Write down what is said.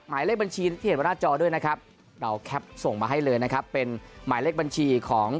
หมายเลขบัญชีที่เห็นบนหน้าจอด้วยนะครับเราแคปส่งมาให้เลยนะครับเป็นหมายเลขบัญชีของ